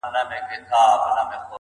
په دعا او په تسلیم يې کړ لاس پورته-